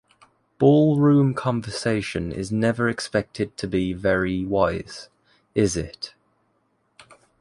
Ball-room conversation is never expected to be very wise, is it?